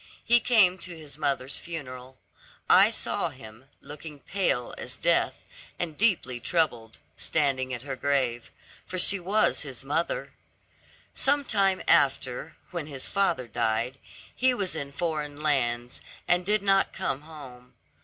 He came to his mother's funeral. I saw him, looking pale as death, and deeply troubled, standing at her grave; for she was his mother. Sometime after, when his father died, he was in foreign lands, and did not come home.